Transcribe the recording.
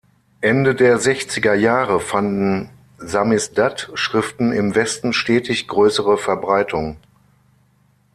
Ende der sechziger Jahre fanden Samisdat-Schriften im Westen stetig größere Verbreitung.